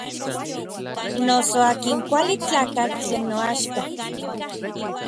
Noso akin kuali tlakatl tlen noaxka.